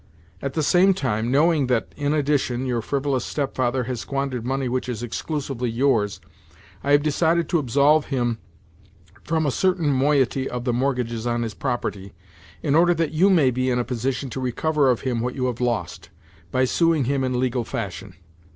At the same time, knowing that, in addition, your frivolous stepfather has squandered money which is exclusively yours, I have decided to absolve him from a certain moiety of the mortgages on his property, in order that you may be in a position to recover of him what you have lost, by suing him in legal fashion.